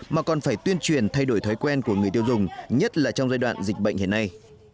mà còn phải tuyên truyền thay đổi thói quen của người tiêu dùng nhất là trong giai đoạn dịch bệnh hiện nay